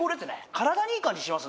体にいい感じします